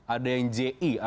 ada yang ji